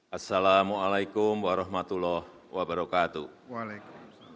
assalamu'alaikum warahmatullahi wabarakatuh